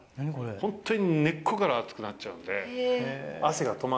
本当に根っこから熱くなっちゃうんで。